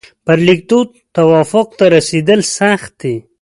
پر لیکدود توافق ته رسېدل سخت دي.